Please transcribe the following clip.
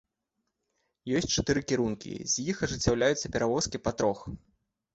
Ёсць чатыры кірункі, з іх ажыццяўляюцца перавозкі па трох.